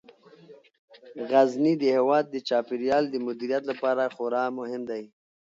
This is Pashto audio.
غزني د هیواد د چاپیریال د مدیریت لپاره خورا مهم دی.